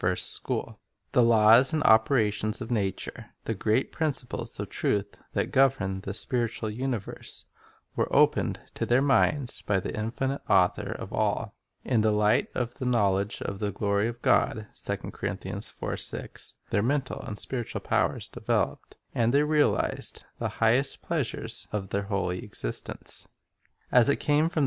22 First Principles Other Schools Purpose of Training The laws and operations of nature, and the great principles of truth that govern the spiritual universe, were opened to their minds by the infinite Author of all. In "the light of the knowledge of the glory of God," 1 their mental and spiritual powers developed, and they realized the highest pleasures of their holy existence. As it came from the